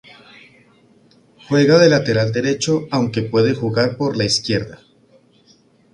Juega de lateral derecho, aunque puede jugar por la izquierda.